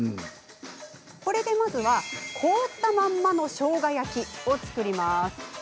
これで、まずは凍ったまんまのしょうが焼きを作ります。